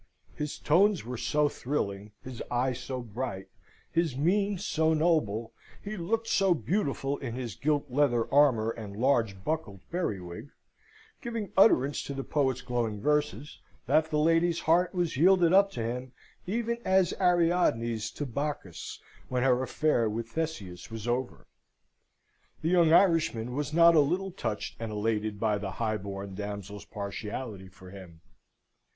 His tones were so thrilling, his eye so bright, his mien so noble, he looked so beautiful in his gilt leather armour and large buckled periwig, giving utterance to the poet's glowing verses, that the lady's heart was yielded up to him, even as Ariadne's to Bacchus when her affair with Theseus was over. The young Irishman was not a little touched and elated by the highborn damsel's partiality for him.